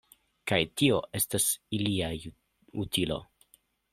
Kaj tio estas ilia utilo?